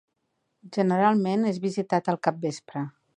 Generalment és visitat al capvespre.